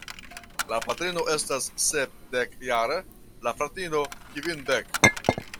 La patrino estas sepdekjara, la fratino kvindek.